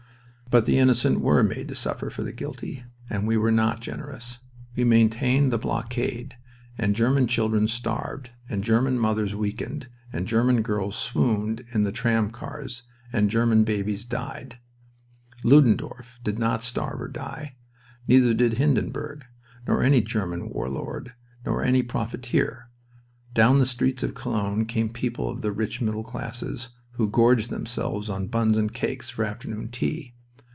But the innocent were made to suffer for the guilty and we were not generous. We maintained the blockade, and German children starved, and German mothers weakened, and German girls swooned in the tram cars, and German babies died. Ludendorff did not starve or die. Neither did Hindenburg, nor any German war lord, nor any profiteer. Down the streets of Cologne came people of the rich middle classes, who gorged themselves on buns and cakes for afternoon tea.